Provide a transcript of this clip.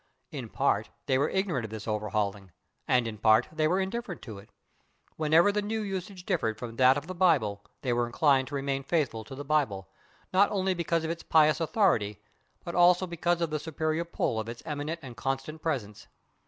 In part they were ignorant of this overhauling, and in part they were indifferent to it. Whenever the new usage differed from that of the Bible they were inclined to remain faithful to the Bible, not only because of its pious authority but also because of the superior pull of its imminent and constant presence.